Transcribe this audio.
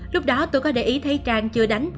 lúc đó tôi có để ý thấy trang chưa đánh